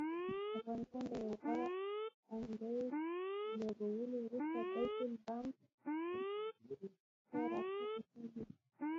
افغانستان له یو غوره اننګز لوبولو وروسته بیت بالینګ ته راښکته کیږي